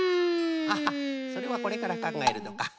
アハッそれはこれからかんがえるのか。